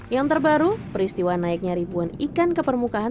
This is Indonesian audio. yang terbaru peristiwa naiknya ribuan ikan ke permukaan